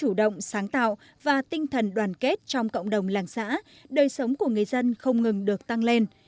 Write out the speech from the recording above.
chủ động sáng tạo và tinh thần đoàn kết trong cộng đồng làng xã đời sống của người dân không ngừng được tăng lên